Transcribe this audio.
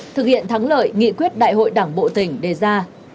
thuyết đại hội đảng bộ tỉnh đề ra